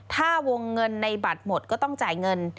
ถ้าวงเงินในบัตรหมดก็ต้องจ่ายเงิน